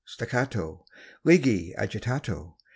Staccato! Leggier agitato!